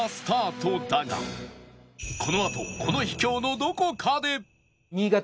このあとこの秘境のどこかで